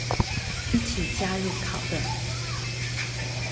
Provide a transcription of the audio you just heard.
一起加入討論